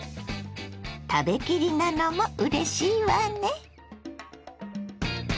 食べきりなのもうれしいわね。